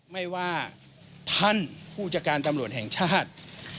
ไม่ว่าท่านผู้จัดการตำรวจแห่งชาติ